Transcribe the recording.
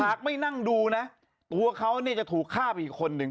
หากไม่นั่งดูนะตัวเขาเนี่ยจะถูกฆ่าไปอีกคนนึง